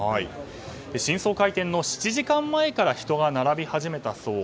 新装開店の７時間前から人が並び始めたそう。